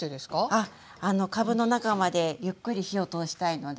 あっかぶの中までゆっくり火を通したいので。